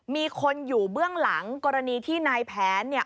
มีคนอยู่เบื้องหลังกรณีที่นายแผนเนี่ย